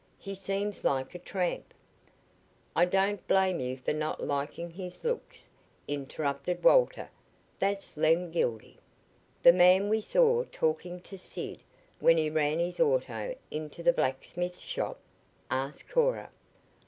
"He seems like a tramp." "I don't blame you for not liking his looks," interrupted Walter. "That's Lem Gildy." "The man we saw talking to Sid when he ran his auto into the blacksmith shop?" asked Cora.